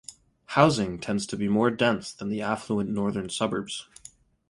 Housing tends to be more dense than the affluent northern suburbs.